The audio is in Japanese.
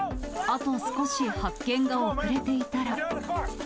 あと少し発見が遅れていたら。